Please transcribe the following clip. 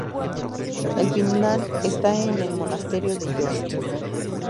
El final está en el Monasterio de Yuste.